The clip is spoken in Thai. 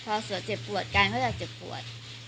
พอเสือเจ็บปวดการก็จะเจ็บปวด